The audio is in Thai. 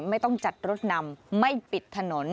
ไม่ต้องจัดรถนำไม่ปิดถนน